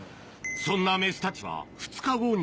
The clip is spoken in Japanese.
そんなメスたちは２日後に。